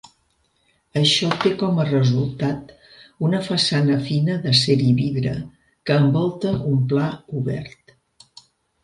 Això té com a resultat una façana fina d'acer i vidre que envolta un pla obert.